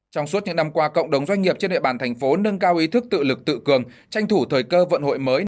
trong suốt những năm qua cộng đồng doanh nghiệp trên địa bàn thành phố nâng cao ý thức tự lực tự cường tranh thủ thời cơ vận hội mới